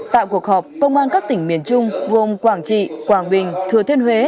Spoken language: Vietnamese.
tại cuộc họp công an các tỉnh miền trung gồm quảng trị quảng bình thừa thiên huế